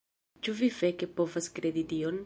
Ĉu vi feke povas kredi tion??